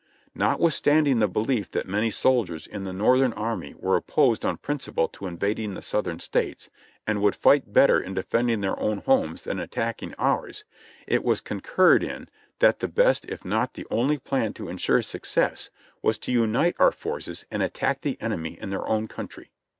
Notwithstanding the belief that many soldiers in the Northern army were opposed on principle to invading the Southern States, and would fight better in defending their own homes than in attacking ours, it was con curred in, that the best if not the only plan to insure success was to unite our forces and attack the enemy in their own country.